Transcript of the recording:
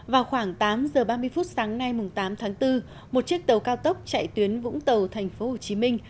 vào khoảng tám h ba mươi phút sáng nay tám tháng bốn một chiếc tàu cao tốc chạy tuyến vũng tàu tp hcm